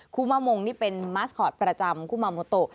คุมะมงนี่เป็นมาสคอร์ตประจำคุมาโมโต